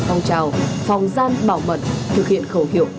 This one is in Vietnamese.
phong trào phòng gian bảo mật thực hiện khẩu hiệu